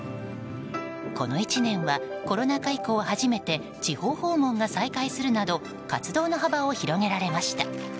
この１年は、コロナ禍以降初めて地方訪問が再開するなど活動の幅を広げられました。